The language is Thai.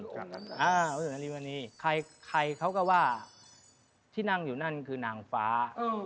จากนั้นีใครเขาก็ว่าที่นั่งอยู่นั่นคือนางฟ้า